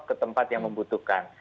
ke tempat yang membutuhkan